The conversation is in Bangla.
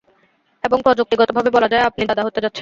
এবং প্রযুক্তিগত ভাবে বলা যায়, আপনি দাদা হতে যাচ্ছেন।